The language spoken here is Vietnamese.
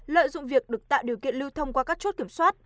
lợi dụng việc được tạo điều kiện lưu thông qua các chốt kiểm soát